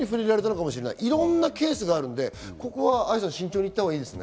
いろんなケースがあるので、愛さん、慎重に行ったほうがいいですね。